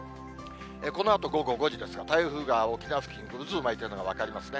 このあと午後５時ですが、台風が沖縄付近、渦を巻いているのが分かりますね。